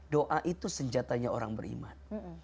doa itu senjatanya orang beriman